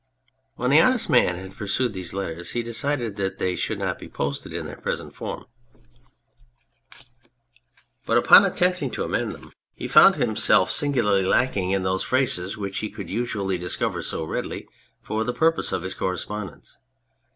When the Honest Man had perused these letters he decided that they should not be posted in their present form ; but upon attempting to amend them 203 On Anything he found himself singularly lacking in those phrases which he could usually discover so readily for the purposes of his correspondence.